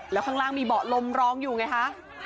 แล้วข้างล่างมีเบาะลมรองอยู่ไงคะ